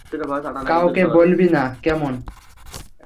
কাউকে বলবি না, কেমন?